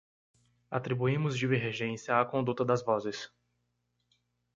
Atribuímos divergência à conduta das vozes.